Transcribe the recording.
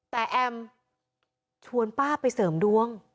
แต่แอมชวนป้าไปเสริมดวง